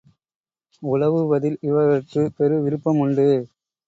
உலவுவதில் இவர்கட்குப் பெரு விருப்பம் உண்டு.